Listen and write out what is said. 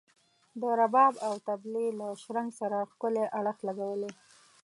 د رباب او طبلي له شرنګ سره ښکلی اړخ لګولی.